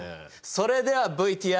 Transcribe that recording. それではＶＴＲ。